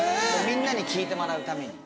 みんなに聴いてもらうために。